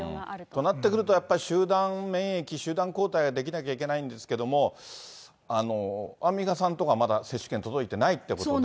となってくると、やっぱり集団免疫、集団抗体が出来なきゃいけないんですけれども、アンミカさんとか、まだ接種券届いてないということで。